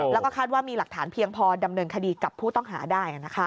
แล้วก็คาดว่ามีหลักฐานเพียงพอดำเนินคดีกับผู้ต้องหาได้